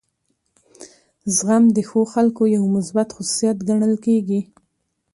زغم د ښو خلکو یو مثبت خصوصیت ګڼل کیږي.